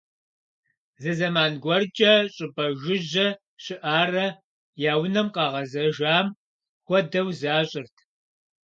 Зы зэман гуэркӏэ щӏыпӏэ жыжьэ щыӏарэ, я унэм къагъэзэжам хуэдэу защӏырт.